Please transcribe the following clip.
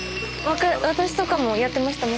私とかもやってました。